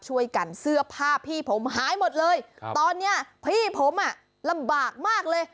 ช่วยกันเสื้อผ้าพี่ผมหายหมดเลยตอนนี้พี่ผมลำบากมากเลย